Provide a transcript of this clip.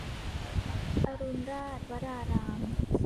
อรุณราชวราราม